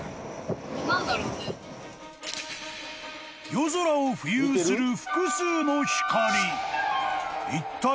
［夜空を浮遊する複数の光］